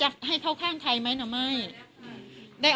กินโทษส่องแล้วอย่างนี้ก็ได้